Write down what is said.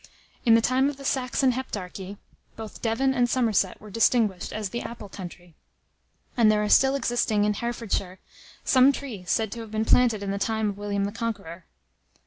In the time of the Saxon heptarchy, both Devon and Somerset were distinguished as the apple country; and there are still existing in Herefordshire some trees said to have been planted in the time of William the Conqueror.